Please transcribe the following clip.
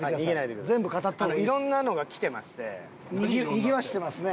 にぎわせてますね。